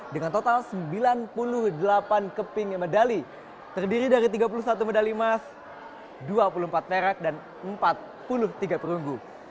dengan total sembilan puluh delapan keping medali terdiri dari tiga puluh satu medali emas dua puluh empat perak dan empat puluh tiga perunggu